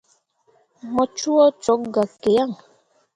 Me coo cok gah ke yan.